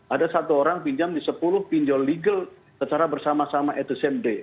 ada satu orang pinjam di sepuluh pinjol legal secara bersama sama at the same day